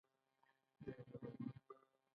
ایا زه باید مرسته وکړم؟